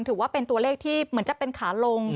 ถือว่าเป็นตัวเลขที่เหมือนจะเป็นขาลง